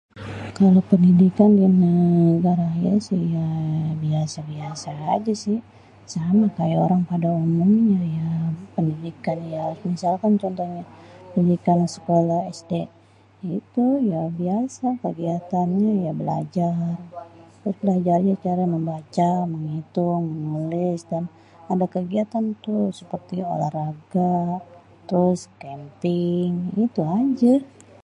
kalo kehidupan dilingkungan ayê si ya , biasa-biasa ajê si, abisanyê kayê orang semuényê ya pendidikan ya misalkan contohnyê pendidikan sekoleh [SD] yaitu ya biasa kegiatannyê ya belajar tèrus pemelajarannyê belajar membaca, menghitung, menulis dan ada kegiatan tuh seperti olahraga terus kémping itu ajê.